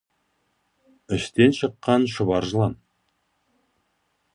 Іштен шыққан шұбар жылан.